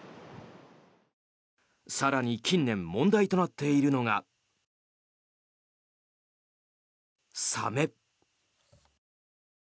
更に近年、問題となっているのがサメ。